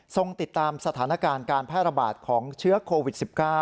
ติดตามสถานการณ์การแพร่ระบาดของเชื้อโควิด๑๙